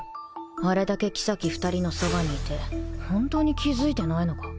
あれだけ妃２人のそばにいて本当に気付いてないのか？